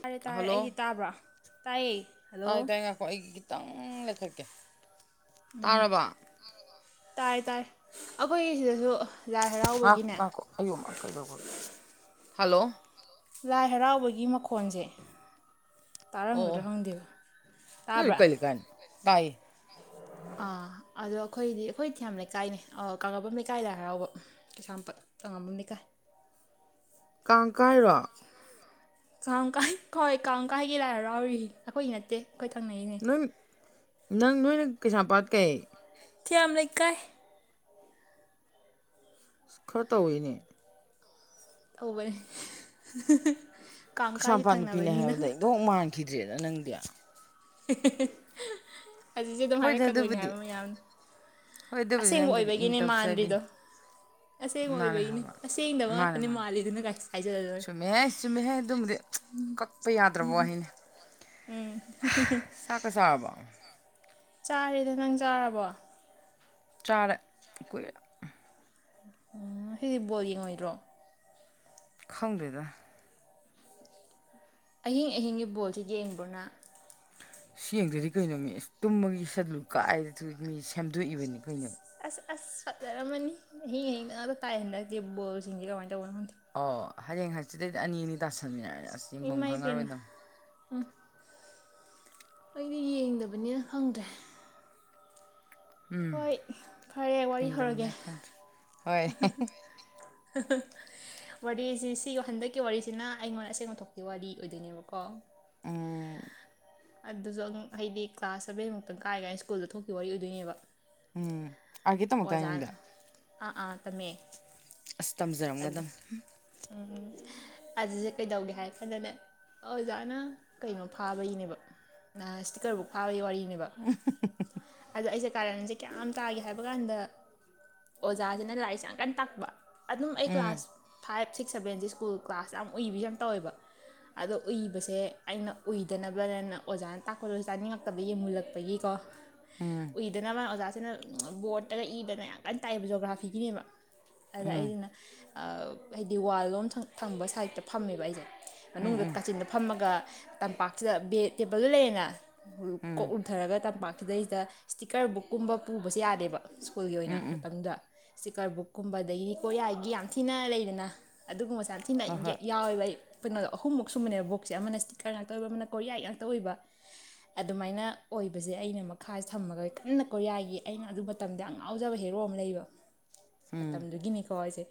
ꯇꯥꯔꯦ ꯇꯥꯔꯦ ꯍꯜꯂꯣ ꯑꯩꯒꯤ ꯇꯥꯕ꯭ꯔꯣ? ꯇꯥꯏꯌꯦ ꯍꯜꯂꯣ ꯑꯣ ꯑꯩꯒꯤ ꯈꯤꯇꯪ ꯂꯩꯈꯠꯀꯦ ꯎꯝ ꯇꯥꯔꯕ ꯇꯔꯕꯣ ꯇꯥꯔꯦ ꯇꯥꯏ ꯑꯈꯣꯏꯒꯤ ꯁꯤꯗꯁꯨ ꯂꯥꯏ ꯉꯥꯛ ꯍꯔꯥꯎꯕꯒꯤꯅꯦ ꯉꯥꯛꯈꯣ ꯑꯌꯣꯃꯥ ꯀꯩꯗꯧꯕ ꯍꯜꯂꯣ ꯂꯥꯏ ꯍꯔꯥꯎꯕꯒꯤ ꯃꯈꯣꯟꯖꯦ ꯑꯣ ꯇꯥꯔꯝꯒꯗ꯭ꯔꯥ ꯑꯣ ꯈꯪꯗꯦꯕ ꯇꯥꯕ꯭ꯔꯥ? ꯇꯥꯌꯦ꯫ ꯑꯥ ꯑꯗꯣ ꯈꯣꯏꯗꯤ ꯑꯩꯈꯣꯏ ꯊꯤꯌꯥꯝ ꯂꯩꯀꯥꯏꯅꯦ ꯑꯥ ꯀꯥꯡꯉꯥꯕꯝ ꯂꯩꯀꯥꯏ ꯂꯥꯏ ꯍꯔꯥꯎꯕ ꯀꯩꯁꯥꯝꯄꯠ ꯀꯥꯡꯉꯝꯕꯝ ꯂꯩꯀꯥꯏ ꯀꯥꯡꯀꯥꯏꯔꯣ? ꯀꯥꯡ ꯀꯥꯏ ꯈꯣꯏ ꯀꯥꯡ ꯀꯥꯏꯒꯤ ꯂꯥꯏ ꯍꯔꯥꯎꯔꯤ ꯑꯈꯣꯏꯒꯤ ꯅꯠꯇꯦ ꯑꯈꯣꯏ ꯊꯪꯅꯩꯅꯦ [unintelligible] ꯅꯪ ꯅꯣꯏꯅ ꯀꯩꯁꯥꯝꯄꯥꯠ ꯀꯩ? ꯊꯤꯌꯥꯝ ꯂꯩꯀꯥꯏ꯫ ꯈꯔ ꯇꯧꯋꯦꯅꯦ ꯇꯧꯕꯅꯦ [unintelligible] ꯀꯥꯡ ꯀꯥꯏꯁꯦ ꯀꯩꯁꯥꯝꯄꯥꯠ ꯅꯨꯄꯤꯅꯦ ꯊꯪꯅꯕꯅꯤꯅ ꯍꯥꯏꯕꯗ ꯏꯟꯗꯣꯛ ꯃꯥꯟꯈꯤꯗ꯭ꯔꯦꯗ ꯅꯪꯗꯤ [unintelligible] ꯑꯗꯨꯗꯤ ꯑꯗꯨꯝ ꯍꯣꯏꯗ ꯍꯥꯏꯔꯛꯀꯗꯣꯏꯅꯦ ꯑꯗꯨꯕꯨꯗꯤ ꯍꯥꯏꯕ ꯃꯌꯥꯝꯅ ꯍꯣꯏ ꯑꯗꯨꯕꯨꯗꯤ ꯑꯁꯦꯡꯕ ꯅꯪꯕꯨꯗꯤ ꯏꯪ ꯑꯣꯏꯕꯒꯤꯅꯦ ꯇꯞꯆꯕꯤꯅꯤ ꯃꯥꯟꯗ꯭ꯔꯤꯗꯣ ꯑꯁꯦꯡꯕ ꯃꯥꯅꯦ ꯑꯣꯏꯕꯩꯅꯦ ꯍꯥꯏꯕ ꯑꯁꯦꯡꯗꯕ ꯃꯟꯅꯦ ꯉꯥꯛꯇꯅꯦ ꯃꯟꯅꯦ ꯃꯥꯜꯂꯤꯗꯨꯅ ꯀꯥꯏ ꯍꯥꯏꯖꯜꯂꯗꯣꯏ ꯆꯨꯝꯃꯦꯍꯦ ꯆꯨꯝꯃꯦꯍꯦ ꯑꯗꯨꯝꯃꯗꯤ ꯀꯛꯄ ꯌꯥꯗ꯭ꯔꯕ ꯋꯥꯍꯩꯅꯦ ꯎꯝ [unintelligible] ꯆꯥꯛꯀꯥ ꯆꯔꯕꯣ? ꯆꯥꯔꯦꯗ ꯅꯪ ꯆꯥꯔꯕꯣ? ꯆꯥꯔꯦ ꯀꯨꯏꯔꯦ [unintelligible] ꯉꯁꯤꯗꯤ ꯕꯣꯜ ꯌꯦꯡꯉꯣꯏꯗ꯭ꯔꯣ? ꯈꯪꯗꯦꯗ ꯑꯍꯤꯡ ꯑꯍꯤꯡꯒꯤ ꯕꯣꯜꯁꯦꯠ ꯌꯦꯡꯕ꯭ꯔꯣ ꯅꯥ? ꯁꯤ ꯌꯦꯡꯗꯗꯤ ꯀꯩꯅꯣꯃꯤ ꯏꯁ ꯇꯨꯝꯕꯒꯤ ꯁꯦꯗꯨꯜ ꯀꯥꯏꯗ ꯊꯨꯠ ꯃꯤ ꯁꯦꯝꯗꯣꯛꯏꯕꯅꯤ ꯀꯩꯅꯣ ꯑꯁ ꯑꯁ ꯐꯠꯖꯔꯝꯃꯅꯤ ꯑꯍꯤꯡ ꯑꯍꯤꯡꯗ ꯉꯛꯇꯥ ꯇꯥꯏ ꯍꯟꯗꯛꯇꯤ ꯕꯣꯜ ꯁꯤꯡꯁꯦ ꯀꯃꯥꯏ ꯇꯧꯕꯅꯣ ꯈꯪꯗꯦ ꯑꯣ ꯍꯌꯦꯡ ꯍꯪꯆꯤꯡꯗꯩꯗꯤ ꯑꯅꯤ ꯑꯅꯤ ꯇꯥꯁꯤꯟꯃꯤꯟꯅ ꯔꯦꯅ ꯏꯃꯥꯏꯕꯦꯝꯃꯥ ꯎꯝ ꯑꯩꯗꯤ ꯌꯦꯡꯗꯕꯅꯤꯅ ꯈꯪꯗ꯭ꯔꯦ ꯍꯣꯏ ꯐꯥꯔꯦ ꯋꯥꯔꯤ ꯍꯧꯔꯒꯦ ꯌꯦꯡꯗꯝꯅꯤꯅ ꯈꯪꯗ꯭ꯔꯦ ꯍꯣꯏ [unintelligible] [unintelligible] ꯋꯥꯔꯤꯁꯤ ꯁꯤꯒꯤ ꯍꯟꯗꯛꯀꯤ ꯋꯥꯔꯤꯁꯤꯅ ꯑꯩꯉꯣꯟꯗ ꯑꯁꯦꯡꯕꯊꯣꯛꯈꯤ ꯋꯥꯔꯤ ꯑꯣꯏꯗꯣꯏꯅꯦꯕꯀꯣ ꯎꯝ ꯑꯗꯨꯁꯨ ꯍꯥꯏꯗꯤ ꯀ꯭ꯂꯥꯁ ꯁꯥꯚꯦꯟ ꯃꯨꯛꯇꯪ ꯀꯥꯏ ꯀꯥꯏ ꯁ꯭ꯀꯨꯜꯗ ꯊꯣꯛꯈꯤꯕ ꯋꯥꯔꯤ ꯑꯣꯏꯗꯣꯏꯅꯦꯕ ꯎꯝ ꯑꯥꯔꯀꯦ ꯇꯝꯃꯛꯇꯥꯏ ꯅꯪꯗꯤ ꯑꯣꯖꯥꯅ ꯑꯥ ꯑꯥ ꯇꯝꯃꯦ ꯑꯁ ꯑꯗꯨ ꯇꯝꯖꯥꯔꯝꯒꯗꯝ ꯍꯨꯝ ꯎꯝ ꯑꯗꯨꯗ ꯀꯩꯗꯧꯒꯦ ꯍꯥꯏꯔ ꯀꯟꯗꯅꯦ ꯑꯣꯖꯥꯅ ꯀꯩꯅꯣ ꯐꯥꯕꯒꯤꯅꯦꯕ ꯑꯥ ꯁ꯭ꯇꯤꯛꯀꯔ ꯕꯨꯛ ꯐꯥꯕꯒꯤ ꯋꯥꯔꯤꯅꯦꯕ [unintelligible] ꯑꯗꯣ ꯑꯩꯁꯦ ꯀꯥꯔꯟꯁꯦ ꯀꯌꯥꯝ ꯇꯥꯒꯦ ꯍꯥꯏꯕ ꯀꯥꯟꯗ ꯑꯣꯖꯥꯁꯤꯅ ꯂꯥꯏꯔꯤꯛꯁꯦ ꯌꯥꯝ ꯀꯟ ꯇꯥꯛꯄ ꯑꯗꯨꯝ ꯑꯩ class five six ꯁꯚꯦꯟꯁꯦ school class ꯌꯥꯝ ꯎꯏꯕꯁꯦ ꯌꯥꯝ ꯇꯧꯋꯦꯕ ꯑꯗꯣ ꯎꯏꯕꯁꯦ ꯑꯩꯅ ꯎꯏꯗꯅꯕꯅꯦꯅ ꯑꯣꯖꯥꯅ ꯇꯥꯛꯄꯗꯣꯁꯣ ꯇꯥꯅꯤꯡꯉꯛꯇꯕ ꯌꯦꯡ ꯃꯨꯜꯂꯛꯄꯒꯤ ꯀꯣ ꯎꯝ ꯏꯤꯗꯅꯕ ꯑꯣꯖꯥꯁꯤꯅ ꯕꯣꯔꯠꯇꯒ ꯏꯗꯅ ꯌꯥꯝ ꯀꯟꯅ ꯇꯥꯛꯌꯦꯕ ꯖꯣꯒ꯭ꯔꯥꯐꯤꯒꯤꯅꯦꯕ ꯑꯗ ꯎꯝ ꯑꯩꯁꯤꯅ [unintelligible] ꯍꯥꯏꯗꯤ ꯋꯥꯜꯂꯣꯝ ꯊꯪ ꯊꯪꯕ ꯁꯥꯏꯗꯇꯥ ꯐꯝꯃꯦꯕ ꯑꯩꯖꯦ ꯃꯅꯨꯡꯗ ꯎꯝ ꯀꯥꯆꯤꯟꯗ ꯐꯝꯃꯒ ꯇꯝꯄꯥꯛꯁꯤꯗ ꯕꯦꯗ ꯇꯦꯕꯜꯗ ꯂꯩꯔꯦꯅ [unintelligible] ꯎꯝ ꯀꯣꯛ ꯄꯨꯊꯔꯒ ꯇꯝꯄꯥꯛꯁꯤꯗꯩꯁꯤꯗ ꯁ꯭ꯇꯤꯛꯀꯔ ꯕꯨꯛ ꯀꯨꯝꯕ ꯄꯨꯕꯁꯦ ꯌꯥꯗꯦꯕ ꯁ꯭ꯀꯨꯜꯒꯤ ꯑꯣꯏꯅ ꯃꯇꯝꯗꯨꯗ ꯁ꯭ꯇꯤꯀꯔ ꯕꯨꯛ ꯀꯨꯝꯕ ꯑꯗꯩꯒꯤꯗꯤ ꯀꯣꯔꯤꯌꯥꯒꯤ ꯌꯥꯝ ꯊꯤꯅ ꯂꯩꯗꯅ ꯑꯗꯨꯒꯨꯝꯕꯁꯦ ꯌꯥꯝ ꯊꯤꯅꯩ ꯍꯣꯏ ꯍꯣꯏ ꯌꯦꯛ ꯌꯥꯎꯋꯦꯕ ꯑꯩ ꯀꯩꯅꯣꯗꯣ ꯑꯍꯨꯝꯃꯨꯛ ꯁꯨꯝꯕꯅꯦ ꯕꯣꯛꯁꯦ ꯑꯃꯅ ꯁ꯭ꯇꯤꯛꯀꯔ ꯉꯥꯛꯇ ꯑꯣꯏꯕ ꯑꯃꯅ ꯀꯣꯔꯤꯌꯥꯒꯤ ꯉꯥꯛꯇ ꯑꯣꯏꯕ ꯑꯗꯨꯃꯥꯏꯅ ꯑꯣꯏꯕꯖꯦ ꯑꯩꯅꯃꯛ ꯈꯥꯁꯦ ꯊꯝꯃꯒ ꯀꯟꯅ ꯀꯣꯔꯤꯌꯥꯒꯤ ꯑꯩꯅ ꯑꯗꯨ ꯃꯇꯝꯗ ꯌꯥꯝ ꯉꯥꯎꯖꯕ ꯍꯦꯔꯣ ꯑꯃ ꯂꯩꯔꯤꯕ ꯎꯝ ꯃꯇꯝꯗꯨꯒꯤꯅꯤꯀꯣ ꯍꯥꯏꯁꯦ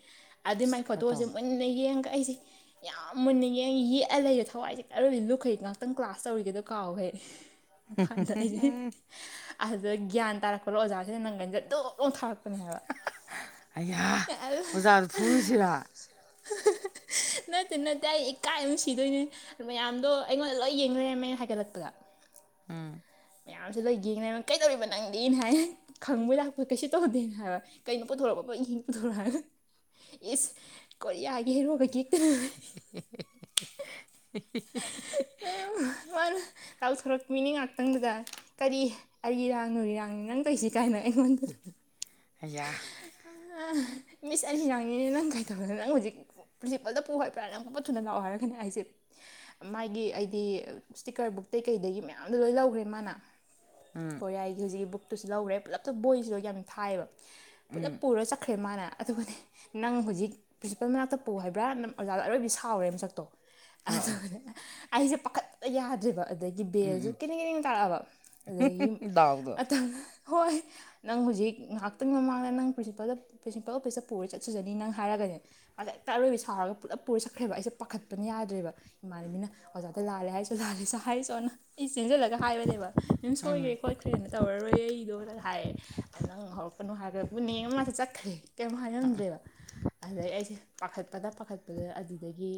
ꯑꯗꯩꯏ ꯑꯁ ꯃꯥꯏ ꯈꯔ ꯇꯧ ꯐꯣꯇꯣꯁꯦ ꯃꯨꯟꯅ ꯌꯦꯡꯒ ꯑꯩꯁꯦ ꯌꯥꯝ ꯃꯨꯟꯅ ꯌꯦꯡ ꯌꯦꯛꯑꯥ ꯂꯩꯔꯦ ꯊꯋꯥꯏꯁꯦ ꯑꯔꯣꯏꯕꯤ ꯂꯨꯞꯈꯩ ꯉꯛꯇꯪ ꯀ꯭ꯂꯥꯁ ꯇꯧꯔꯤꯒꯗꯣ ꯀꯥꯎꯈꯦ [unintelligible] [unintelligible] ꯑꯗꯨꯗ ꯒ꯭ꯌꯥꯟ ꯇꯥꯔꯛꯄꯔꯣ ꯑꯣꯖꯥꯁꯤꯅ ꯅꯪꯒꯟꯁꯦ ꯗꯨꯞ ꯂꯧꯅ ꯊꯔꯛ [unintelligible] ꯑꯌꯥ ꯑꯗꯨ ꯑꯣꯖꯥꯗꯣ ꯐꯨꯔꯨꯁꯤꯔꯥ? ꯅꯠꯇꯦ ꯅꯠꯇꯦ ꯑꯩ ꯏꯀꯥꯏꯕꯅ ꯁꯤꯗꯣꯏꯅꯦ ꯃꯌꯥꯝꯗꯣ ꯑꯩꯉꯣꯟꯗ ꯂꯣꯏ ꯌꯦꯡꯂꯩꯔꯝꯃꯦ ꯍꯥꯏꯒꯠꯂꯛꯄꯗ ꯎꯝ ꯃꯌꯥꯝꯁꯤ ꯂꯣꯏ ꯌꯦꯡꯂꯩꯔꯝꯃꯤ ꯀꯩꯗꯧꯔꯤꯕ ꯅꯪꯗꯤꯅ ꯍꯥꯏ ꯈꯪꯕꯣꯏ ꯂꯥꯛꯄꯣꯏ ꯀꯩꯁꯨ ꯇꯧꯗꯦꯅ ꯍꯥꯏꯕ ꯀꯩꯅꯣ ꯄꯨꯊꯣꯔꯛꯑꯣ ꯄꯠ ꯄꯠ ꯌꯦꯡ ꯄꯨꯊꯣꯔꯛꯑꯣ ꯍꯥꯏꯔ ꯏꯁ ꯀꯣꯔꯤꯌꯥꯒꯤ ꯍꯦꯔꯣꯒꯤ ꯌꯦꯛꯇꯅ [unintelligible] [unintelligible] ꯃꯥꯅ ꯂꯥꯎꯊꯣꯔꯛꯄꯤꯅꯦ ꯉꯥꯛꯇꯪꯗꯨꯗ ꯀꯔꯤ ꯑꯥꯔꯤꯔꯡ ꯅꯨꯔꯤꯔꯥꯡꯅꯤ ꯅꯪ ꯇꯣꯏꯁꯤꯗꯤ ꯀꯥꯏꯅ ꯑꯩꯉꯣꯟꯗ ꯑꯌꯥ [unintelligible] ꯃꯤꯁ ꯑꯔꯤꯔꯡꯅꯤꯅꯦ ꯅꯪ ꯀꯥꯏ ꯇꯧꯔꯥ ꯅꯪ ꯍꯧꯖꯤꯛ ꯄ꯭ꯔꯤꯟꯁꯤꯄꯜꯗ ꯄꯨ ꯍꯥꯏꯕ꯭ꯔꯥ ꯅꯪ ꯄꯥꯠ ꯄꯠ ꯊꯨꯅ ꯂꯥꯛꯑꯣ ꯍꯥꯏꯔꯒꯅꯦ ꯑꯩꯖꯦꯕ ꯃꯥꯒꯤ ꯑꯩꯗꯤ ꯁ꯭ꯇꯤꯛꯀꯔ ꯕꯨꯛꯇꯩꯩ ꯀꯩꯗꯒꯤ ꯃꯌꯥꯝꯗꯣ ꯂꯣꯏ ꯂꯧꯈ꯭ꯔꯦ ꯃꯥꯅ ꯎꯝ ꯀꯣꯔꯤꯌꯥꯒꯤ ꯍꯧꯖꯤꯛꯀꯤ ꯕꯨꯛꯇꯨꯁꯨ ꯂꯧꯒ꯭ꯔꯦ ꯄꯨꯂꯞꯇꯣ ꯕꯣꯏꯁꯤꯗꯣ ꯌꯥꯝ ꯊꯥꯏꯑꯦꯕ ꯄꯨꯂꯞ ꯄꯨꯔꯥ ꯆꯠꯈ꯭ꯔꯦ ꯃꯟꯅꯥ ꯑꯗꯨꯒꯅꯦ ꯅꯪ ꯍꯧꯖꯤꯛ ꯄ꯭ꯔꯤꯟꯁꯤꯄꯜ ꯃꯅꯥꯛꯇ ꯄꯨ ꯍꯥꯏꯕ꯭ꯔꯥ ꯅꯪ ꯑꯣꯖꯥꯗ ꯑꯔꯣꯏꯕꯤ ꯁꯥꯎꯔꯦ ꯃꯁꯛꯇꯣ ꯑ ꯑ ꯑꯗꯨꯒꯅꯦ ꯑꯩꯁꯦ ꯄꯥꯈꯠꯄꯅ ꯌꯥꯗ꯭ꯔꯦꯕ ꯑꯠ ꯑꯗꯒꯤ ꯕꯦꯜꯁꯨ ꯀꯦꯅꯦꯡ ꯀꯦꯅꯦꯡ ꯇꯥꯔꯛꯑꯕ ꯑꯗꯒꯤ ꯗꯥꯎꯗꯣ ꯑꯇꯝ [unintelligible] ꯍꯣꯏ ꯅꯪ ꯍꯧꯖꯤꯛ ꯉꯥꯍꯥꯛꯇꯪ ꯃꯃꯥꯡꯗ ꯅꯪ ꯄ꯭ꯔꯤꯟꯁꯤꯄꯥꯜꯗ ꯄ꯭ꯔꯤꯟꯁꯤꯄꯜ ꯑꯣꯐꯤꯁꯇ ꯄꯨꯔꯥ ꯆꯠꯆꯖꯥꯅꯤ ꯅꯪ ꯍꯥꯏꯔꯒꯅꯦ ꯃꯥꯁꯦ ꯑꯦꯛꯇ ꯑꯔꯣꯏꯕꯤ ꯁꯥꯎꯔꯒ ꯄꯨꯂꯞ ꯄꯨꯔꯥ ꯁꯛꯈ꯭ꯔꯕ ꯑꯩꯁꯦ ꯄꯥꯈꯠꯄꯅ ꯌꯥꯗ꯭ꯔꯦꯕ ꯏꯃꯟꯅꯕꯤꯅ ꯑꯣꯖꯥꯗ ꯂꯜꯂꯦ ꯍꯥꯏꯆꯣ ꯂꯜꯂꯦ ꯆꯣ ꯍꯥꯏꯔꯨꯆꯣꯅ ꯑꯩ ꯆꯦꯟꯖꯤꯜꯂꯒ ꯍꯥꯏꯕꯅꯦꯕ ꯃꯦꯝ ꯁꯣꯏꯈ꯭ꯔꯦ ꯈꯣꯠꯈ꯭ꯔꯦꯅ ꯇꯧꯔꯔꯣꯏ ꯑꯩꯗꯣꯅ ꯍꯥꯏꯌꯦ ꯅꯪ ꯍꯧꯔꯛꯀꯅꯣ ꯍꯥꯏꯒ꯭ꯔ ꯄꯨꯅꯦ ꯃꯥꯁꯦ ꯆꯠꯈ꯭ꯔꯦ ꯀꯩꯝ ꯍꯥꯏꯔꯝꯗ꯭ꯔꯦꯕ ꯑꯗꯩ ꯑꯩꯁꯦ ꯄꯥꯈꯠꯄꯅ ꯄꯥꯈꯠꯄꯗ ꯑꯗꯨꯗꯒꯤ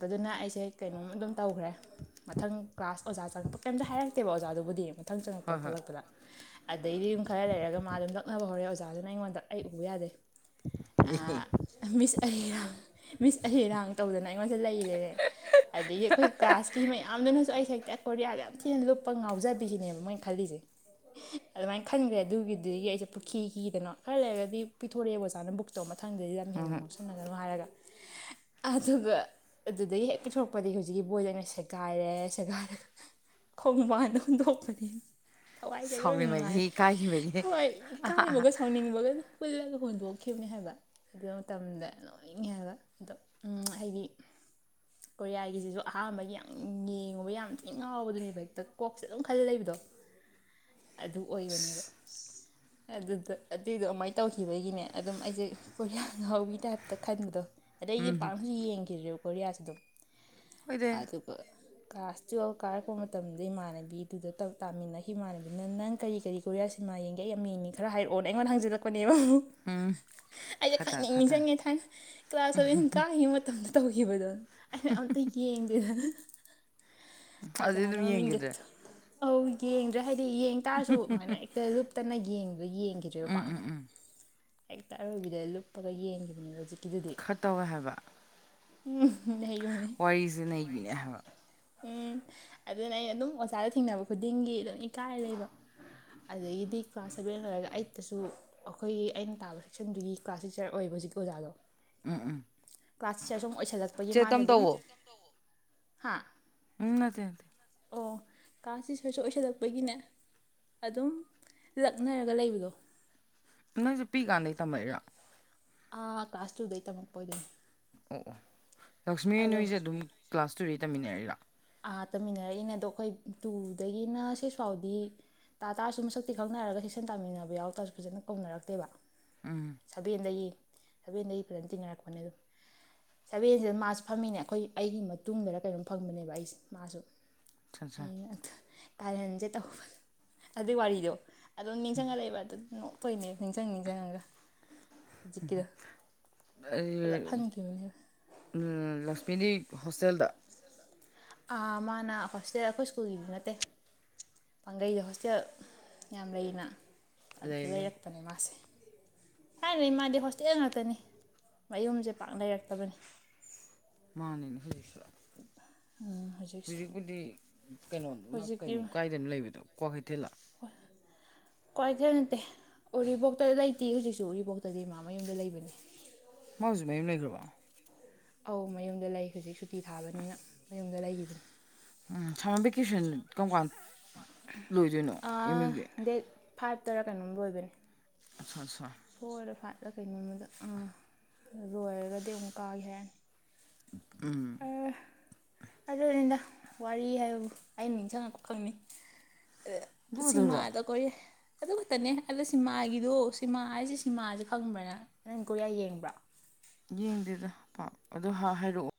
ꯑꯗꯨꯅ ꯑꯩꯁꯦ ꯀꯩꯅꯣꯝ ꯑꯗꯨꯝ ꯇꯧꯈ꯭ꯔꯦ꯫ ꯃꯊꯪ ꯀ꯭ꯂꯥꯁ ꯑꯣꯖꯥ ꯆꯪꯉꯛꯄ ꯀꯩꯝꯇ ꯍꯥꯏꯔꯛꯇꯦꯕ ꯑꯣꯖꯥꯗꯨꯕꯨꯗꯤ ꯃꯊꯪ ꯆꯪꯉꯛꯄ ꯍꯣꯏ ꯍꯣꯏ ꯈꯣꯠꯂꯛꯄꯗ꯫ ꯑꯗꯩꯗꯤ ꯌꯨꯝ ꯈꯔ ꯂꯩꯔꯒ ꯃꯥ ꯑꯗꯨꯝ ꯅꯣꯛꯅꯕ ꯍꯧꯔꯑꯦ ꯑꯣꯖꯥꯗꯨꯅ ꯑꯩꯉꯣꯟꯗ ꯑꯩ ꯎꯕ ꯌꯥꯗꯦ꯫ ꯑꯦꯍꯤ꯫ ꯃꯤꯁ ꯑꯍꯦꯔꯥꯡ ꯃꯤꯁ ꯑꯍꯔꯥꯡ ꯇꯧꯗꯅ ꯑꯩꯉꯣꯟꯗ ꯂꯩꯔꯔꯦ꯫ ꯑꯗꯒꯤ ꯑꯩꯈꯣꯏ ꯀ꯭ꯂꯥꯁꯀꯤ ꯃꯌꯥꯝꯗꯨꯅꯁꯨ ꯑꯩ ꯍꯦꯛꯇ ꯀꯣꯔꯤꯌꯥꯗ ꯌꯥꯝ ꯊꯤꯅ ꯂꯨꯞꯄ ꯉꯥꯎꯖꯕꯤꯈꯤꯅꯦꯕ ꯃꯣꯏꯅ ꯈꯜꯂꯤꯁꯦ꯫ ꯑꯗꯨꯃꯥꯏꯅ ꯈꯟꯈ꯭ꯔꯦ ꯑꯗꯨꯒꯤꯗꯨꯗꯒꯤ ꯑꯩꯁꯦ ꯄꯨꯈꯤ ꯀꯤꯗꯅꯣ ꯈꯔ ꯂꯩꯔꯒꯗꯤ ꯄꯤꯊꯣꯔꯛꯑꯦꯕ ꯑꯣꯖꯥꯅ ꯕꯨꯛꯇ ꯇꯧ ꯃꯊꯪꯗꯗꯤ꯫ ꯍꯣꯏ ꯍꯣꯏ꯫ ꯁꯥꯟꯅꯅꯨ ꯍꯥꯏꯔꯒ ꯑꯗꯨꯒ ꯑꯗꯨꯗꯒꯤ ꯍꯦꯛ ꯄꯤꯊꯣꯔꯛꯄꯗꯒꯤ ꯍꯧꯖꯤꯛꯀꯤ ꯕꯣꯏꯗ ꯑꯩꯅ ꯁꯦꯒꯥꯏꯔꯦ ꯁꯦꯒꯥꯏꯔꯒ ꯈꯣꯡꯕꯥꯟꯗ ꯍꯨꯟꯗꯣꯛꯄꯅꯤ꯫ ꯊꯋꯥꯏꯖꯦ ꯑꯔꯣꯏꯕꯤ ꯅꯨꯡꯉꯥꯏ ꯁꯥꯎꯅꯤꯡꯕꯒꯤ ꯏꯀꯥꯏꯈꯤꯕꯒꯤ ꯍꯣꯏ ꯑꯍꯥ ꯑꯍꯥ ꯏꯀꯥꯏꯕꯒ ꯁꯥꯎꯅꯤꯡꯕꯒꯅ꯫ ꯄꯨꯜꯂꯒ ꯍꯨꯟꯗꯣꯛꯈꯤꯕꯅꯦ ꯍꯥꯏꯕ ꯑꯗꯨ ꯃꯇꯝꯗ ꯅꯣꯛꯅꯤꯡꯉꯦ ꯍꯥꯏꯕ ꯑꯗꯣ ꯎꯝ ꯍꯥꯏꯗꯤ ꯀꯣꯔꯤꯌꯥꯒꯤꯖꯤꯖꯨ ꯑꯍꯥꯟꯕꯒꯤ ꯌꯥꯝ ꯌꯦꯡꯉꯨꯕ ꯌꯥꯝ ꯊꯤꯅ ꯉꯥꯎꯕꯗꯨꯅꯦꯕ ꯍꯦꯛꯇ ꯀꯣꯛꯁꯦ ꯑꯗꯨꯝ ꯈꯜ ꯂꯩꯕꯗꯣ꯫ [inaudible] ꯑꯗꯨ ꯑꯣꯏꯕꯅꯦꯕ꯫ ꯑꯗꯨꯗ ꯑꯗꯨꯏꯗꯣ ꯑꯗꯨꯃꯥꯢ ꯇꯧꯈꯤꯕꯒꯤꯅꯦ ꯑꯗꯨꯝ ꯑꯩꯖꯦ ꯀꯣꯔꯤꯌꯥ ꯉꯍꯥꯎꯕꯤ ꯇꯥꯏꯞꯇ ꯈꯟꯕꯗꯣ꯫ ꯑꯗꯩꯗꯤ ꯄꯥꯛꯅꯁꯨ ꯌꯦꯡꯈꯤꯗ꯭ꯔꯦꯕ ꯀꯣꯔꯤꯌꯥꯁꯤ ꯑꯗꯨꯝ ꯑꯗꯨ [inaudible] ꯀ꯭ꯂꯥꯁ ꯇꯨꯌꯦꯜꯞ ꯀꯥꯔꯛꯄ ꯃꯇꯝꯗ ꯏꯃꯥꯟꯅꯕꯤꯗꯨꯗ ꯇꯥꯃꯤꯟꯅꯈꯤ ꯏꯃꯥꯟꯅꯕꯤꯅ ꯅꯪ ꯀꯔꯤ ꯀꯔꯤ ꯀꯣꯔꯤꯌꯥ ꯁꯤꯅꯤꯃꯥ ꯌꯦꯡꯒꯦ ꯑꯩ ꯌꯥꯝ ꯌꯦꯅꯤꯉꯦ ꯈꯔ ꯍꯥꯏꯔꯛꯑꯣ ꯑꯩꯉꯣꯟ ꯍꯪꯖꯜꯂꯛꯄꯅꯦꯕ꯫ ꯑꯩꯖꯦ ꯈꯇ ꯈꯪꯅꯤꯡ ꯈꯇ ꯅꯤꯡꯖꯪꯉꯦ ꯊꯥꯏꯅ ꯀ꯭ꯂꯥꯁ ꯁꯕꯦꯟ ꯀꯥꯒꯤ ꯃꯇꯝꯗ ꯒꯤꯕꯗꯣ ꯑꯩꯩꯅ ꯑꯝꯇ ꯌꯦꯡꯒꯦꯗꯅ ꯑꯗꯨꯗꯩ ꯑꯗꯨꯝ ꯌꯦꯡꯈꯤꯗ꯭ꯔꯦ [unintelligible] ꯑꯧ ꯌꯦꯡꯗ꯭ꯔꯦ ꯍꯥꯏꯗꯤ ꯌꯦꯡ ꯇꯥꯔꯁꯨ ꯑꯗꯨꯃꯥꯏꯅ ꯍꯦꯛꯇ ꯂꯨꯞꯇꯅ ꯌꯦꯡꯕ ꯌꯦꯡꯒꯤꯗ꯭ꯔꯦꯕ ꯄꯥꯛꯅ꯫ ꯍꯦꯛꯇ ꯑꯔꯣꯏꯕꯤꯗ ꯂꯨꯞꯄꯒ ꯌꯦꯡꯒꯤꯕꯅꯦꯕ ꯍꯧꯖꯤꯛ ꯈꯔ ꯇꯧꯋꯦ ꯍꯥꯏꯕ꯫ ꯎꯝ [unintelligible] ꯋꯥꯔꯤꯖꯦ ꯅꯩꯕꯤꯅꯦ ꯍꯥꯏꯕ꯫ ꯎꯝ ꯑꯗꯨꯅꯦ ꯑꯩꯅ ꯑꯗꯨꯝ ꯑꯣꯖꯥꯗꯣ ꯊꯦꯡꯅꯕ ꯈꯨꯗꯤꯡꯒꯤ ꯑꯗꯨꯝ ꯏꯀꯥꯏꯔ ꯂꯩꯕ꯫ ꯑꯗꯩꯒꯤꯗꯤ ꯀ꯭ꯂꯥꯁ ꯁꯚꯦꯟ ꯂꯣꯏꯔꯒ ꯑꯩꯠꯇꯁꯨ꯫ ꯑꯩꯈꯣꯏꯒꯤ ꯑꯩꯅ ꯇꯥꯕ ꯁꯦꯛꯁꯟꯗꯨꯒꯤ ꯀ꯭ꯂꯥꯁ ꯇꯤꯆꯔ ꯑꯣꯏꯕ ꯍꯧꯖꯤꯛꯀꯤ ꯑꯣꯖꯥꯗꯣ꯫ ꯀ꯭ꯂꯥꯁ ꯇꯤꯆꯔ ꯁꯨꯝ ꯑꯣꯏꯁꯜꯂꯛꯄꯒꯤ ꯆꯦ ꯃꯥꯁꯦꯗꯨꯝ ꯇꯝꯇꯧꯕꯣ ꯍꯥ ꯎꯝ ꯅꯠꯇꯦ ꯅꯠꯇꯦ꯫ ꯑꯣ ꯀ꯭ꯂꯥꯁ ꯇꯤꯆ꯭ꯔꯁꯨ ꯑꯣꯏꯁꯜꯂꯛꯄꯒꯤꯅꯦ ꯑꯗꯨꯝ ꯂꯛꯅꯔꯒ ꯂꯩꯕꯗꯣ꯫ ꯅꯪꯖꯦ ꯄꯤꯏꯀꯥꯟꯗꯩ ꯇꯝꯃꯛꯏꯔꯣ꯫ ꯑꯥ ꯀ꯭ꯂꯥꯁ ꯇꯨꯗꯩ ꯇꯝꯃꯛꯄ ꯑꯣꯏꯗꯣꯢꯅꯦ꯫ ꯑꯣ ꯑꯣ ꯂꯛꯁꯃꯤ ꯅꯣꯏꯖꯦ ꯑꯗꯨꯝ ꯀ꯭ꯂꯥꯁ ꯇꯨꯗꯩ ꯇꯝꯃꯤꯟꯅꯔꯛꯏꯔꯣ꯫ ꯑꯥ ꯇꯝꯃꯤꯟꯅꯔꯛꯏꯅꯦ ꯑꯗꯣ ꯈꯣꯏ ꯇꯨꯗꯒꯤꯅ ꯁꯤꯛꯁ ꯐꯥꯎꯗꯤ ꯇꯥ ꯇꯥꯔꯁꯨ ꯃꯁꯛꯇꯤ ꯈꯪꯅꯔꯒ ꯁꯦꯛꯁꯟ ꯇꯥꯃꯤꯟꯅꯕ ꯌꯥꯎꯇꯁꯨ ꯐꯖꯅ ꯀꯧꯅꯔꯛꯇꯦꯕ꯫ ꯎꯝ꯫ ꯁꯚꯦꯟꯗꯒꯤ ꯁꯚꯦꯟꯗꯒꯤ ꯐꯖꯟ ꯇꯤꯟꯅꯔꯛꯄꯅꯦ ꯑꯗꯨꯝ꯫ ꯁꯚꯦꯟꯖꯤꯗ ꯃꯥꯁꯨ ꯐꯝꯃꯤꯅꯦ ꯑꯩꯈꯣꯏ ꯑꯩꯒꯤ ꯃꯇꯨꯡꯗꯔ ꯀꯩꯅꯣꯝ ꯐꯝꯕꯅꯦꯕ ꯑꯩꯁꯦ ꯃꯥꯁꯨ ꯑꯁꯥ ꯁꯥ ꯀꯥꯔꯟꯖꯦ ꯇꯧꯕ ꯑꯗꯨꯏ ꯋꯥꯔꯤꯗꯣ ꯑꯗꯨꯝ ꯅꯤꯡꯖꯪꯉ ꯂꯩꯕ ꯑꯗꯨ ꯅꯣꯛꯏꯅꯦ ꯅꯤꯡꯖꯪ ꯅꯤꯡꯖꯪꯉꯒ꯫ ꯄꯨꯂꯞ ꯍꯟꯈꯤꯕꯅꯦꯕ ꯑꯩ ꯂꯛꯁꯃꯤꯗꯤ ꯍꯣꯁꯇꯦꯜꯗ꯫ ꯑ ꯃꯥꯅ ꯍꯣꯁꯇꯦꯜ ꯑꯩꯈꯣꯏ ꯁ꯭ꯀꯨꯜꯒꯤꯗꯤ ꯅꯠꯇꯦ꯫ ꯄꯥꯡꯒꯩꯗ ꯍꯣꯁꯇꯦꯜ ꯌꯥꯝ ꯂꯩꯅ ꯂꯩ ꯑꯗꯨꯗ ꯂꯩ ꯂꯩꯔꯛꯄꯅꯦ ꯃꯥꯁꯦ꯫ ꯊꯥꯏꯅꯩ ꯃꯥꯗꯤ ꯍꯣꯁꯇꯦꯜ ꯉꯥꯛꯇꯅꯤ ꯃꯌꯨꯝꯖꯦ ꯄꯥꯛ ꯂꯩꯔꯛꯇꯕꯅꯤ ꯃꯥꯅꯤꯅꯦ ꯍꯧꯖꯤꯛꯁꯨ [inaudible] ꯍꯧꯖꯤꯛꯄꯨꯗꯤ ꯀꯩꯅꯣꯗꯨꯅ ꯍꯧꯖꯤꯛꯇꯤ ꯀꯩꯅꯣ ꯀꯥꯏꯗꯅꯣ ꯂꯩꯕꯗꯣ ꯀ꯭ꯋꯥꯀꯩꯊꯦꯜꯂ [inaudible] ꯀ꯭ꯋꯥꯏꯀꯩꯊꯦꯜ ꯅꯠꯇꯦ ꯎꯔꯤꯕꯣꯛꯇ ꯂꯩꯇꯤꯌꯦ ꯍꯧꯖꯤꯛꯁꯨ ꯎꯔꯤꯕꯣꯛꯇꯗꯤ ꯃꯥ ꯃꯌꯨꯝꯗ ꯂꯩꯕꯅꯤ ꯃꯥ ꯍꯧꯖꯤꯛ ꯃꯌꯨꯝ ꯂꯩꯒ꯭ꯔꯕꯣ ꯑꯧ ꯃꯌꯨꯝꯗ ꯂꯩ ꯍꯧꯖꯤꯛ ꯁꯨꯇꯤ ꯊꯥꯕꯅꯤꯅ ꯃꯌꯨꯝꯗ ꯂꯩꯒꯤꯕꯅꯦ ꯎꯝ ꯁꯝꯃꯔ ꯚꯤꯀꯦꯁꯟ ꯀꯔꯝ ꯀꯥꯟ ꯂꯣꯏꯗꯣꯏꯅꯣ ꯑꯦꯝ ꯌꯨꯒꯤ ꯗꯦꯠ ꯐꯥꯏꯚꯇꯔ ꯀꯩꯅꯣꯝ ꯑꯣꯏꯕꯅꯤ ꯑꯆꯥ ꯑꯆꯥ ꯐꯣꯏꯔ ꯐꯥꯏꯠꯂ ꯀꯩꯅꯣꯃꯗ ꯑꯥ ꯂꯣꯏꯔꯒꯗꯤ ꯑꯃꯨꯛ ꯀꯥꯒꯦ ꯍꯥꯏꯔꯛꯑꯅꯤ ꯎꯝ ꯑꯗꯨꯅꯤꯗ ꯋꯥꯔꯤ ꯍꯥꯏꯕꯕꯨ ꯑꯩꯅ ꯅꯤꯡꯁꯤꯡꯉꯛꯄ ꯈꯥꯛꯅꯤ ꯑꯗꯨ ꯈꯛꯇꯔꯣ ꯁꯤꯃꯥꯗꯣ ꯈꯣꯢꯒꯤ ꯑꯗꯨ ꯈꯛꯇꯅꯦ ꯑꯗꯣ ꯁꯤꯃꯥꯒꯤꯗꯣ ꯁꯤꯃꯥ ꯍꯥꯏꯁꯦ ꯁꯤꯃꯥꯁꯦ ꯈꯪꯕ꯭ꯔ ꯅꯪ ꯀꯣꯔꯤꯌꯥ ꯌꯦꯡꯕ꯭ꯔꯥ ꯌꯦꯡꯗꯦꯗ ꯑꯗꯣ ꯍꯥꯏꯔꯛꯑꯣ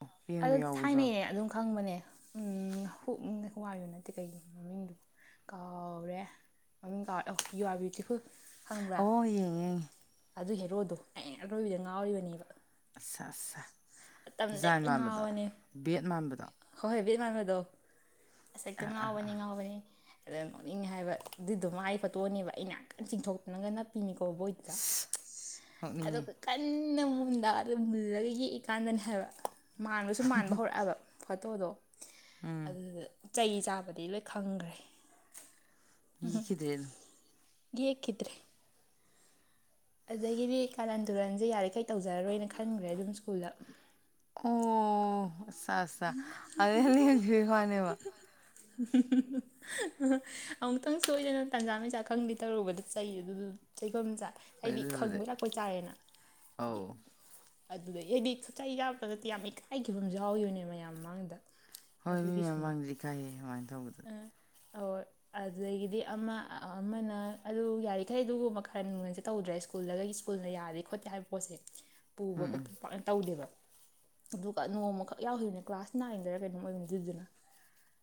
ꯑ ꯌꯦꯡꯕ ꯌꯥꯎꯕꯁꯨ ꯌꯥꯎꯋꯦ ꯊꯥꯏꯅꯩꯌꯦ ꯑꯗꯨꯝ ꯈꯪꯕꯅꯦ ꯎ ꯍ ꯍꯋꯥꯏ [unintelligible] ꯅꯠꯇꯦ ꯀꯩꯒꯤ ꯃꯃꯤꯡꯗꯣ ꯀꯥꯎꯔꯦ ꯃꯃꯤꯡ ꯀꯥꯎꯔꯦ ꯌꯨ ꯑꯔ ꯕꯤꯌꯨꯇꯤꯐꯨꯜ ꯈꯪꯕ꯭ꯔꯥ ꯑꯣ ꯌꯦꯡꯉꯦ ꯌꯦꯡꯉꯦ ꯑꯗꯨ ꯍꯦꯔꯣꯗꯣ ꯑꯩꯅ ꯑꯔꯣꯏꯕꯤꯗ ꯉꯥꯎꯔꯤꯕꯅꯦꯕ ꯑꯠꯁ ꯑꯠꯁ ꯃꯇꯝꯗ ꯖꯥꯏ ꯍꯦꯛꯇ ꯃꯥꯟꯕꯗꯣ ꯉꯥꯎꯕꯅꯦ ꯕꯦꯠ ꯃꯥꯟꯕꯗꯣ ꯍꯣꯏ ꯕꯦꯠ ꯃꯥꯟꯕꯗꯣ ꯑꯁ ꯍꯦꯛꯇ ꯉꯥꯎꯕꯅꯤ ꯉꯥꯎꯕꯅꯤ ꯑꯗꯩ ꯅꯣꯛꯅꯤꯡꯉꯦ ꯍꯥꯏꯕ ꯑꯗꯨꯗꯣ ꯃꯥꯏ ꯄꯣꯠꯇꯣꯅꯦꯕ ꯑꯩ ꯉꯥꯏꯍꯥꯛꯇ ꯆꯤꯡꯊꯣꯛꯇꯅꯒ ꯅꯞꯄꯤꯅꯤꯀꯣ ꯕꯣꯏ ꯑꯠꯆꯥ ꯁ ꯑꯗꯨ ꯅꯣꯛꯅꯤꯡꯉꯦ ꯀꯟꯅ ꯃꯨꯟꯗ ꯑꯗꯨ ꯃꯨꯜꯂꯒ ꯌꯦꯛꯏꯀꯥꯟꯗꯅꯦ ꯍꯥꯏꯕ ꯃꯥꯟꯕꯁꯨ ꯃꯥꯟꯕ ꯍꯧꯔꯛꯑꯕ ꯐꯣꯇꯣꯗꯣ ꯎꯝ ꯑꯗꯨꯗ ꯆꯩ ꯆꯥꯕꯗꯤ ꯂꯣꯏ ꯈꯪꯈ꯭ꯔꯦ ꯎꯝꯝ ꯌꯦꯛꯈꯤꯗ꯭ꯔꯦ ꯑꯗꯨꯝ ꯌꯦꯛꯈꯤꯗꯔꯦ ꯑꯗꯒꯤꯗꯤ ꯀꯥꯔꯟ ꯇꯨꯔꯟꯁꯦ ꯌꯥꯔꯤꯉꯩ ꯇꯧꯖꯔꯔꯣꯏꯅ ꯈꯟꯈ꯭ꯔꯦ ꯑꯗꯨꯝ ꯁ꯭ꯀꯨꯜꯗ ꯑꯣ ꯑꯠꯆꯥ ꯑꯠꯆꯥ ꯂꯦꯞꯄꯤ ꯋꯥꯅꯦꯕ [inaudible] ꯑꯃꯨꯛꯇꯪ ꯁꯣꯏꯗꯅ ꯇꯟꯖꯥ ꯃꯦꯟꯖꯥ ꯈꯪꯗꯦ ꯇꯧꯔꯨꯕꯗ ꯆꯩ ꯑꯗꯨ ꯆꯩꯐꯝ ꯆꯥ ꯍꯣꯏ ꯑꯩꯗꯤ ꯑꯗꯨꯕꯨꯗꯤ ꯈꯪꯕꯣꯢ ꯂꯥꯛꯄꯣꯢ ꯆꯥꯔꯦꯅ ꯍꯥꯏꯗꯤ ꯑꯧ ꯑꯗꯨꯗꯒꯤꯗꯤ ꯆꯩ ꯆꯥꯕꯗ ꯅꯠꯇꯦ ꯌꯥꯝ ꯏꯀꯥꯏꯈꯤꯕ ꯌꯥꯎꯈꯤꯕꯅꯦ ꯃꯌꯥꯝ ꯃꯃꯥꯡꯗ ꯍꯣꯏ ꯃꯤ ꯃꯌꯥꯝ ꯑꯗꯨꯒꯤꯁꯨꯅꯦ ꯃꯃꯥꯡꯗꯗꯤ ꯢꯊꯥꯢꯌꯦ ꯑꯗꯨꯃꯥꯏꯅ ꯇꯧꯕꯗꯣ ꯑꯧ ꯑꯗꯨꯗꯒꯤꯗꯤ ꯑꯃ ꯑꯃꯅ ꯑꯗꯨ ꯌꯥꯔꯤꯈꯩ ꯑꯗꯨꯒꯨꯝꯕ ꯀꯔꯥꯟꯁꯦ ꯇꯧꯗ꯭ꯔꯦ ꯁ꯭ꯀꯨꯜ ꯁ꯭ꯀꯜꯂꯒ ꯁ꯭ꯀꯨꯅ ꯌꯥꯗꯦ ꯈꯣꯠꯇꯦ ꯍꯥꯏ ꯄꯣꯠꯁꯦ [inaudible] ꯄꯨꯕ ꯈꯣꯠꯄ ꯄꯥꯛꯅ ꯇꯧꯗꯦꯕ ꯑꯗꯨꯒ ꯅꯣꯡꯃꯈꯛ ꯌꯥꯎꯈꯤꯕꯅꯦ ꯀ꯭ꯂꯥꯁ ꯅꯥꯏꯟꯗꯔ ꯀꯩꯅꯣꯝ ꯑꯣꯏꯕꯅꯦ ꯑꯗꯨꯗꯨꯅ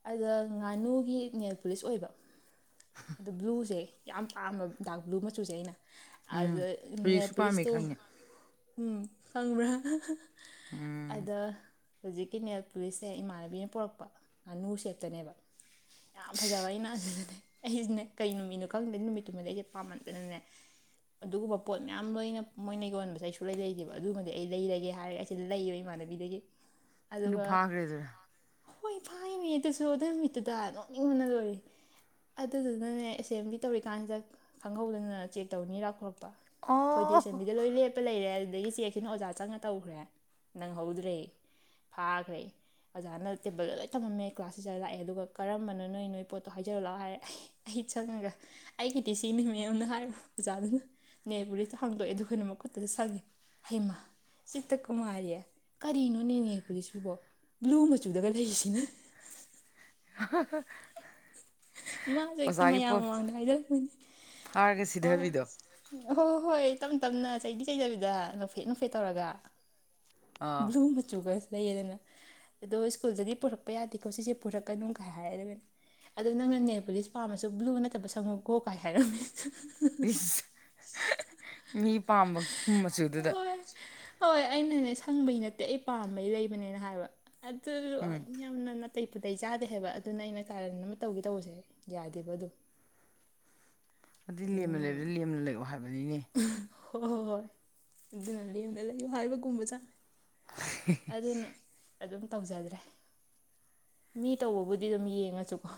ꯑꯩꯗꯣ ꯉꯥꯅꯨꯒꯤ ꯅꯦꯟ ꯄꯨꯂꯤꯁ ꯑꯣꯏꯕ ꯑꯗꯨ ꯕ꯭ꯂꯨꯁꯦ ꯌꯥꯝ ꯄꯥꯝꯕ ꯗꯥꯥꯛ ꯕ꯭ꯂꯨ ꯃꯆꯨꯁꯦ ꯑꯩꯅ ꯎꯝ ꯑꯗꯨ ꯍꯧꯖꯤꯛꯁꯨ ꯄꯥꯝꯃꯤ ꯅꯦꯟꯄꯨꯂꯤꯁꯇꯣ ꯈꯪꯉꯦ ꯎꯝ ꯈꯪꯕ꯭ꯔꯥ ꯎꯝ ꯑꯗ ꯍꯧꯖꯤꯛ ꯍꯧꯖꯤꯛꯒꯤ ꯅꯦꯜ ꯄꯨꯂꯤꯁꯁꯦ ꯏꯃꯥꯟꯅꯕꯤꯅ ꯄꯨꯔꯛꯄ ꯉꯥꯅꯨ ꯁꯦꯞꯇꯅꯦꯕ ꯌꯥꯝ ꯐꯖꯕ ꯑꯩꯅ ꯑꯗꯨꯗꯅꯦ ꯑꯩꯁꯤꯅ ꯀꯩ ꯅꯨꯃꯤꯠꯅꯣ ꯈꯪꯗꯦ ꯅꯨꯃꯤꯠꯇꯨꯃꯗꯤ ꯑꯩꯁꯦ ꯄꯥꯝꯃꯟꯗꯅꯅꯦ ꯑꯗꯨꯒꯨꯝꯕ ꯄꯣꯠ ꯃꯌꯥꯝ ꯂꯣꯏꯅ ꯃꯣꯏꯅ ꯌꯣꯟꯕꯁꯦ ꯁꯨꯡꯂꯩ ꯂꯩꯗꯦꯕ ꯑꯗꯨꯒꯅꯦ ꯑꯩ ꯂꯩꯔꯒꯦ ꯍꯥꯏꯔꯒ ꯑꯩꯁꯦ ꯂꯩꯌꯦꯕ ꯏꯃꯥꯟꯅꯕꯤꯗꯒꯤ ꯑꯗꯨ ꯑꯗꯨꯒ ꯐꯥꯈ꯭ꯔꯦꯗꯨꯔꯥ ꯍꯣꯏ ꯐꯥꯏꯃꯦ ꯑꯗꯨꯁꯨ ꯑꯗꯨ ꯅꯨꯃꯤꯠꯇꯨꯗ ꯅꯣꯛꯅꯤꯡꯕꯅ ꯂꯣꯏꯔꯦ ꯑꯗꯨꯗꯨꯅꯅꯦ ꯑꯦꯁꯦꯝꯕ꯭ꯂꯤ ꯇꯧꯔꯤꯀꯥꯟꯁꯤꯗ ꯈꯪꯍꯧꯗꯅ ꯆꯦꯛ ꯇꯧꯅꯤ ꯂꯥꯊꯣꯔꯛꯄ ꯈꯣꯏꯗꯤ ꯑꯣ ꯑꯦꯁꯦꯝꯕꯤꯗ ꯂꯣꯏ ꯂꯦꯞꯄ ꯂꯩꯔꯦ ꯑꯗꯨꯗꯒꯤ ꯆꯦꯛꯁꯤꯅ ꯑꯣꯖꯥ ꯆꯪꯉ ꯇꯧꯈ꯭ꯔꯦ ꯅꯪꯍꯧꯗ꯭ꯔꯦ ꯐꯥꯈ꯭ꯔꯦ ꯑꯣꯖꯥꯅ ꯇꯦꯕꯜꯗ ꯂꯣꯏ ꯊꯃꯝꯃꯦ ꯀ꯭ꯂꯥꯁ ꯇꯤꯖꯔ ꯂꯥꯛꯑꯦ ꯑꯗꯨꯒ ꯀꯔꯝꯕꯅꯣ ꯅꯣꯏ ꯅꯣꯏ ꯄꯣꯠꯇꯣ ꯍꯥꯏꯖꯔꯨ ꯂꯥꯛꯑꯣ ꯍꯥꯏꯔꯦ ꯑꯩ ꯆꯪꯉꯒ ꯑꯩꯒꯤꯗꯤ ꯁꯤꯅꯦ ꯃꯦꯝꯅ ꯍꯥꯏꯔ ꯑꯣꯖꯥꯗꯨꯅ ꯅꯦꯜ ꯄꯣꯂꯤꯁꯇꯣ ꯍꯥꯡꯗꯣꯛꯑꯦ ꯑꯗꯨꯒꯅꯦ ꯃꯈꯨꯠꯇꯨꯗ ꯁꯪꯉꯦ ꯍꯩꯃꯥ ꯆꯤꯠꯇ ꯀꯨꯃꯥꯔꯤ ꯀꯔꯤꯅꯣꯅꯦ ꯅꯦ ꯄꯣꯂꯤꯁ ꯁꯤꯕꯣ ꯕ꯭ꯂꯨ ꯃꯆꯨꯗꯒ ꯂꯩꯔꯤꯁꯤꯅ [unintelligible] ꯃꯥꯁꯨ ꯍꯦꯛꯇ ꯑꯣꯖꯥꯒꯤ ꯃꯌꯥꯝ ꯄꯣꯠ ꯃꯃꯥꯡꯗ ꯍꯥꯏꯔꯛꯄꯅꯦ ꯐꯥꯔꯒ ꯍꯣꯏ ꯁꯤꯙꯕꯤꯗꯣ ꯎ ꯍꯣꯏ ꯍꯣꯏ ꯍꯣꯏ ꯇꯞ ꯇꯞꯅ ꯆꯩꯗꯤ ꯆꯩꯗꯕꯤꯗ ꯅꯣꯛꯐꯦꯠ ꯅꯣꯛꯐꯦꯠ ꯇꯧꯔꯒ ꯑꯥ ꯕ꯭ꯂꯨ ꯃꯆꯨꯒꯁꯨ ꯂꯩꯔꯗꯅ ꯑꯗꯣ ꯁ꯭ꯀꯨꯜꯗꯗꯤ ꯄꯨꯔꯛꯄ ꯌꯥꯗꯦꯀꯣ ꯁꯤꯁꯦ ꯄꯨꯔꯛꯀꯅꯨꯒꯥꯏ ꯍꯥꯏꯔꯒꯅꯦ ꯑꯗꯣ ꯅꯪꯅ ꯅꯦꯜ ꯄꯣꯂꯤꯁ ꯄꯥꯝꯃꯁꯨ ꯕ꯭ꯂꯨ ꯅꯠꯇꯕ ꯁꯪꯉꯨꯀꯣ ꯀꯥꯏ ꯍꯥꯏꯔꯝꯃꯦ [unintelligible] ꯏꯁ ꯃꯤ ꯄꯥꯝꯕ ꯃꯆꯨꯗꯨꯗ ꯍꯣꯏ ꯍꯣꯏ ꯑꯩꯅꯅꯦ ꯁꯪꯕꯩ ꯅꯠꯇꯦ ꯑꯩ ꯄꯥꯝꯕꯩ ꯂꯩꯕꯅꯦꯅ ꯍꯥꯏꯕ ꯑꯗꯨꯁꯨ ꯎꯝ ꯌꯥꯝꯅ ꯅꯥ ꯇꯩ ꯄꯨꯇꯩ ꯆꯥꯗꯦ ꯍꯥꯏꯕ ꯑꯗꯨꯅ ꯑꯩꯅ ꯀꯥꯔꯟ ꯑꯃ ꯇꯧꯒꯦ ꯇꯧꯕꯁꯦ ꯌꯥꯗꯦꯕ ꯑꯗꯨ ꯑꯗꯨꯗꯤ ꯂꯦꯝꯅ ꯂꯩꯕꯗ ꯂꯦꯝꯅ ꯂꯩꯌꯣ ꯍꯥꯏꯕꯅꯤꯅꯦ ꯍꯣꯍꯣ ꯍꯣꯏ ꯑꯗꯨꯅ ꯂꯦꯝꯅ ꯂꯩꯌꯨ ꯍꯥꯏꯕꯒꯨꯝꯕ ꯖꯥꯅꯦ ꯍꯦꯍꯦ ꯑꯗꯨꯅ ꯑꯗꯨꯝ ꯇꯧꯖꯗ꯭ꯔꯦ ꯃꯤ ꯇꯧꯕꯕꯨꯗꯤ ꯑꯗꯨꯝ ꯌꯦꯡꯉꯁꯨꯀꯣ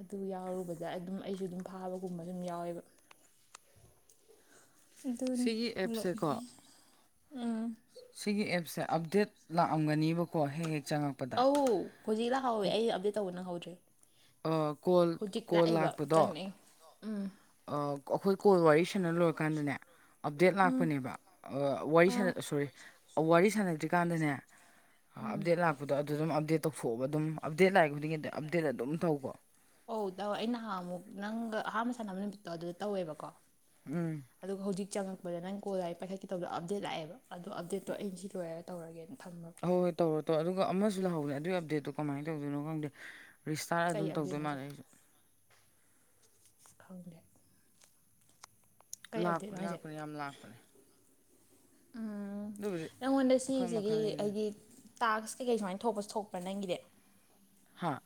ꯑꯗꯨ ꯌꯥꯎꯔꯨꯕꯗ ꯑꯗꯨꯝ ꯑꯩꯁꯨ ꯑꯗꯨꯝ ꯐꯥꯕꯒꯨꯝꯕꯁꯨ ꯑꯗꯨꯝ ꯌꯥꯎꯋꯦꯕ ꯑꯗꯨꯅꯤ ꯁꯤꯒꯤ ꯑꯦꯞꯁꯦꯀꯣ [unintelligible] ꯁꯤꯒꯤ ꯑꯦꯞꯁꯦ ꯑꯞꯗꯦꯠ ꯂꯥꯛꯑꯝꯒꯅꯦꯕꯀꯣ ꯍꯦꯛ ꯍꯦꯛ ꯆꯪꯉꯛꯄ ꯑꯣ ꯍꯧꯖꯤꯛ ꯂꯥꯛꯍꯧꯋꯦ ꯑꯩ ꯑꯞꯗꯦꯠ ꯇꯧꯕ ꯅꯪꯍꯧꯗ꯭ꯔꯦ ꯑ ꯀꯣꯜ ꯍꯧꯖꯤꯛ ꯀꯣꯜ ꯂꯥꯛꯑꯦꯕ ꯂꯥꯛꯄꯗꯣ ꯆꯪꯉꯛꯑꯦ ꯎꯝ ꯑ ꯑꯩꯈꯣꯏ ꯀꯣꯜ ꯋꯥꯔꯤ ꯁꯥꯟꯅ ꯂꯣꯏꯔꯀꯥꯟꯗꯅꯦ ꯑꯞꯗꯦꯠ ꯎꯝ ꯂꯥꯛꯄꯅꯦꯕ ꯑ ꯋꯥꯔꯤ ꯑꯥ ꯁꯥꯟꯅ ꯁꯣꯔꯤ ꯋꯥꯔꯤ ꯁꯥꯟꯅꯗ꯭ꯔꯤꯀꯥꯟꯗꯅꯦ ꯎꯝ ꯑꯞꯗꯦꯠ ꯂꯥꯛꯄꯗꯣ ꯑꯗꯨ ꯑꯗꯨꯝ ꯑꯞꯗꯦꯠ ꯇꯧꯊꯣꯛꯑꯣꯕ ꯑꯗꯨꯝ ꯑꯞꯗꯦꯠ ꯂꯥꯛꯏ ꯈꯨꯗꯤꯡꯒꯤ ꯑꯞꯗꯦꯠ ꯑꯗꯨꯝ ꯇꯧꯀꯣ ꯑꯣ ꯇꯧꯋꯦ ꯑꯩ ꯅꯍꯥꯟꯃꯨꯛ ꯅꯪꯒ ꯑꯍꯥꯟꯕ ꯁꯥꯟꯅꯕ ꯅꯨꯃꯤꯠꯇꯣ ꯑꯗꯨꯗ ꯇꯧꯋꯦꯕꯀꯣ ꯎꯝ ꯑꯗꯨꯒ ꯍꯧꯖꯤꯛ ꯆꯪꯉꯛꯄꯗ ꯅꯪ ꯀꯣꯜ ꯂꯥꯛꯑꯦ ꯄꯥꯏꯈꯠꯀꯦ ꯇꯧꯕꯗꯣ ꯑꯞꯗꯦꯠ ꯂꯥꯛꯑꯦꯕ ꯑꯗꯣ ꯑꯞꯗꯦꯠꯇꯣ ꯑꯩ ꯁꯤ ꯂꯣꯏꯔꯒ ꯇꯧꯔꯒꯦꯅ ꯊꯝꯃ ꯍꯣꯏ ꯍꯣꯏ ꯇꯧꯔꯣ ꯇꯧꯔꯣ ꯑꯗꯨꯒ ꯑꯃꯁꯨ ꯂꯥꯛꯍꯧꯕꯅꯦ ꯑꯗꯨꯒꯤ ꯑꯞꯗꯦꯗꯠꯇꯣ ꯀꯃꯥꯏꯅ ꯇꯧꯗꯣꯏꯅꯣ ꯈꯪꯗꯦ ꯔꯤꯁꯇꯥꯔꯠ ꯀꯩ ꯑꯗꯨꯝ ꯇꯧꯗꯣꯏ ꯑꯞꯗꯦꯠꯅꯣꯁꯦ ꯃꯥꯜꯂꯦ ꯑꯩꯁꯨ ꯈꯪꯗꯦ ꯀꯩ ꯂꯥꯛꯄꯅꯦ ꯑꯞꯗꯦꯠꯅꯣ ꯍꯥꯏꯁꯦ ꯂꯥꯛꯄꯅꯦ ꯌꯥꯝ ꯂꯥꯛꯄꯅꯦ ꯎꯝ ꯎꯝ ꯑꯗꯨꯕꯨꯗꯤ ꯅꯪꯉꯣꯟꯗ ꯃꯈꯜ ꯁꯤꯁꯤꯒꯤ ꯃꯈꯜꯅꯤ ꯑꯗꯨ ꯑꯩꯒꯤ ꯇꯥꯛꯁ ꯀꯩꯀꯩ ꯁꯨꯃꯥꯏꯅ ꯊꯣꯛꯄꯁꯦ ꯊꯣꯛꯄ꯭ꯔꯥ ꯅꯪꯒꯤꯗꯤ ꯍꯥꯥ